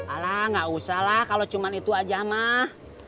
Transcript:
alah nggak usahlah kalau cuma itu aja mas